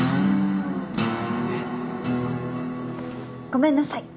えっ？ごめんなさい。